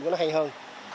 cho nó hay hơn